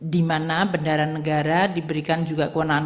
di mana bendara negara diberikan juga kewenangan